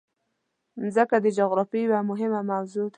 مځکه د جغرافیې یوه مهمه موضوع ده.